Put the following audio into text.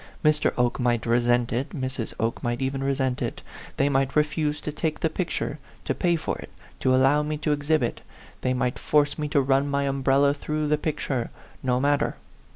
Mr. Oke might resent it, Mrs. Oke even might resent it ; they might refuse to take the picture, to pay for it, to allow me to exhibit ; they might force me to run my umbrella through the picture. No matter.